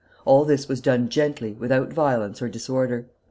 All this was done gently, without violence or disorder.